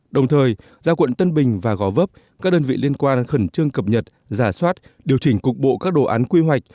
đồng thời giao quận tân bình và gò vấp các đơn vị liên quan đang khẩn trương cập nhật giả soát điều chỉnh cục bộ các đồ án quy hoạch